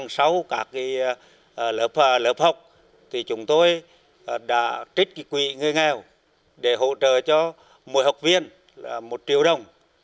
sau các lớp học thì chúng tôi đã trích quỹ người nghèo để hỗ trợ cho mỗi học viên là một triệu đồng